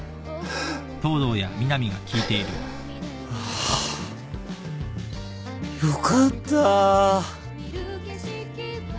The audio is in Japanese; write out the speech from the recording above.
あよかった。